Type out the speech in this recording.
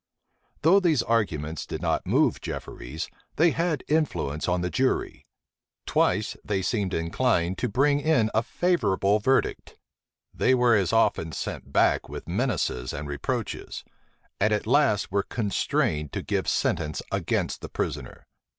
Though these arguments did not move Jefferies, they had influence on the jury. Twice they seemed inclined to bring in a favorable verdict: they were as often sent back with menaces and reproaches; and at last were constrained to give sentence against the prisoner.